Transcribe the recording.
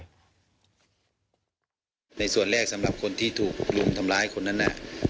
หากผู้ต้องหารายใดเป็นผู้ต้องหารายใดเป็นผู้กระทำจะแจ้งข้อหาเพื่อสรุปสำนวนต่อพนักงานอายการจังหวัดกรสินต่อไป